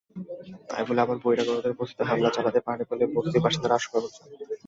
তাই আবার বহিরাগতরা বস্তিতে হামলা চালাতে পারে বলে বস্তির বাসিন্দারা আশঙ্কা করছেন।